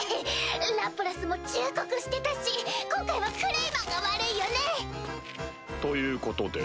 ラプラスも忠告してたし今回はクレイマンが悪いよね！ということで。